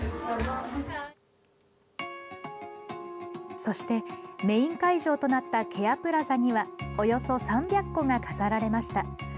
そしてメイン会場となったケアプラザにはおよそ３００個が飾られました。